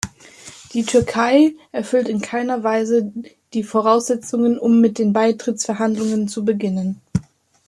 Die Türkei erfüllt in keiner Weise die Voraussetzungen, um mit den Beitrittsverhandlungen zu beginnen.